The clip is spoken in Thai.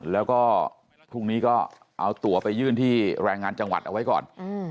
แล้วก็พรุ่งนี้ก็เอาตัวไปยื่นที่แรงงานจังหวัดเอาไว้ก่อน